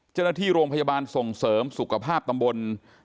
เจ้าหน้าที่โรงพยาบาลส่งเสริมสุขภาพตำบล